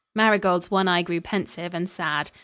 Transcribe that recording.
Marigold's one eye grew pensive and sad.